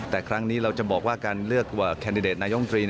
แต่ครั้งนี้เราจะบอกว่าการเลือกแคนดิเดตนายมตรี